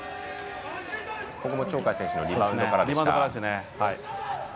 ここも鳥海選手のリバウンドからでした。